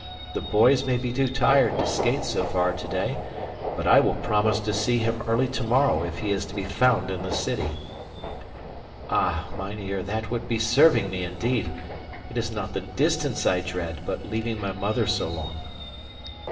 The boys may be too tired to skate so far today, but I will promise to see him early tomorrow if he is to be found in the city." "Ah, mynheer, that would be serving me indeed; it is not the distance I dread but leaving my mother so long."